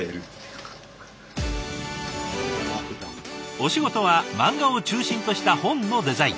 お仕事は漫画を中心とした本のデザイン。